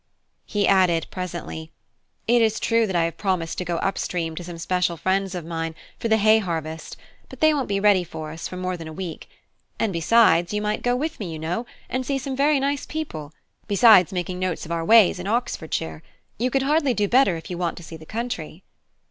He added presently: "It is true that I have promised to go up stream to some special friends of mine, for the hay harvest; but they won't be ready for us for more than a week: and besides, you might go with me, you know, and see some very nice people, besides making notes of our ways in Oxfordshire. You could hardly do better if you want to see the country."